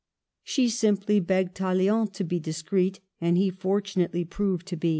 She simply begged Tallien to be discreet, and he fortunately proved so.